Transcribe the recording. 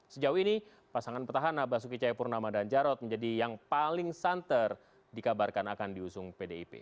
sejauh ini pasangan petahana basuki cahayapurnama dan jarod menjadi yang paling santer dikabarkan akan diusung pdip